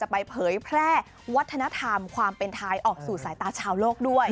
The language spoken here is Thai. ไปเผยแพร่วัฒนธรรมความเป็นไทยออกสู่สายตาชาวโลกด้วย